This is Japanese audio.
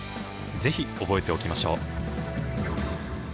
ぜひ覚えておきましょう。